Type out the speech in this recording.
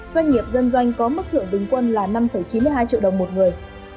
doanh nghiệp dân doanh có mức thưởng bình quân là năm chín mươi hai triệu đồng một người